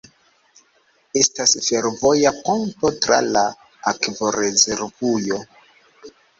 Estas fervoja ponto tra la akvorezervujo.